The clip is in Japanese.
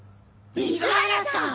水原さん！